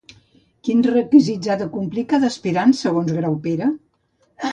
Quins requisits ha de complir cada aspirant segons Graupera?